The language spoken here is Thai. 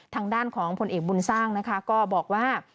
ทางด้านของผลเอกบุญสร้างนะคะก็บอกว่า